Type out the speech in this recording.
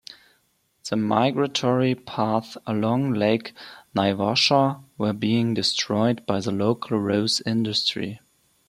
The migratory paths along lake Naivasha were being destroyed by the local rose industry.